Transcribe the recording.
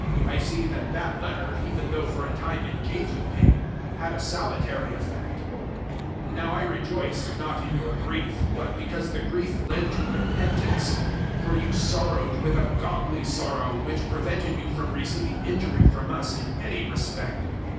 I see that that letter, even though for a time it gave you pain, had a salutary effect. 007:009 Now I rejoice, not in your grief, but because the grief led to repentance; for you sorrowed with a godly sorrow, which prevented you from receiving injury from us in any respect.